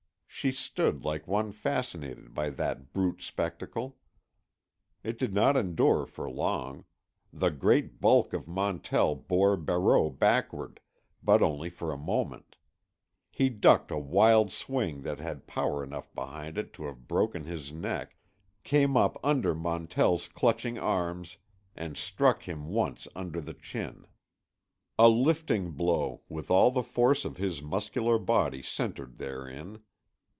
She stood like one fascinated by that brute spectacle. It did not endure for long. The great bulk of Montell bore Barreau backward, but only for a moment. He ducked a wild swing that had power enough behind it to have broken his neck, came up under Montell's clutching arms and struck him once under the chin—a lifting blow, with all the force of his muscular body centered therein.